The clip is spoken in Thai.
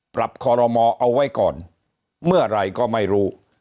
ปรับคอรมอเอาไว้ก่อนเมื่อไหร่ก็ไม่รู้